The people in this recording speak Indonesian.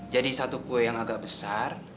jadi satu kue yang agak besar